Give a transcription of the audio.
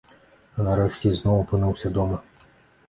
А нарэшце ізноў апынуўся дома.